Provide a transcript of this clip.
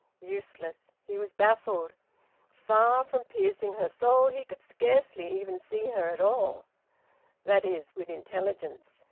... Useless! He was baffled. Far from piercing her soul, he could scarcely even see her at all; that is, with intelligence.